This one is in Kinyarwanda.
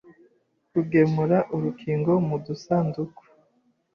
Kugemura urukingo mu dusanduku